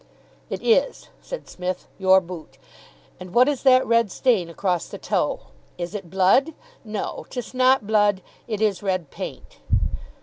"It is," said Psmith, "your boot. And what is that red stain across the toe? Is it blood? No, 'tis not blood. It is red paint."